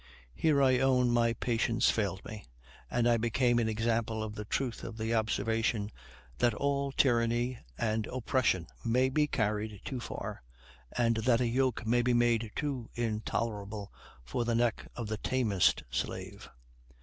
Here I own my patience failed me, and I became an example of the truth of the observation, "That all tyranny and oppression may be carried too far, and that a yoke may be made too intolerable for the neck of the tamest slave."